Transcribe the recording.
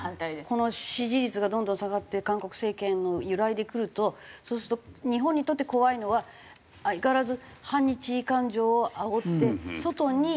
この支持率がどんどん下がって韓国政権揺らいでくるとそうすると日本にとって怖いのは相変わらず反日感情をあおって外にその不満を。